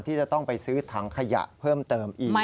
ที่จะต้องไปซื้อถังขยะเพิ่มเติมอีก